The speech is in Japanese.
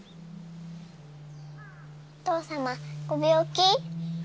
お父様ご病気？